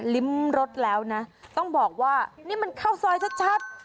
ริมรสแล้วนะต้องบอกว่านี่มันข้าวซอยชัด